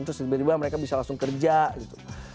terus tiba tiba mereka bisa langsung kerja gitu